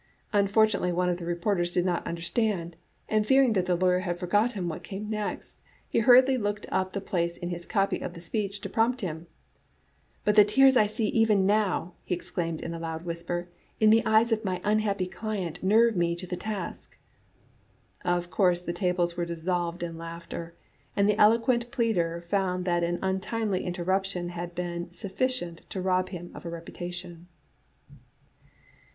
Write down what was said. Unfortu nately one of the reporters did not understand, and fear ing that the lawyer had forgotten what came next, he hurriedly looked up the place in his copy of the speech to prompt him. *But the tears I see even now,' he ex claimed in a loud whisper, *in the eyes of my unhappy client nerve me to the task. ' Of course the tables were dissolved in laughter, and the eloquent pleader found that an untimely interruption had been sufficient to rob him of a reputation."